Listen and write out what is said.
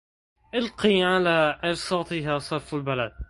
ألقى على عرصاتها صرف البلى